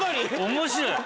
面白い。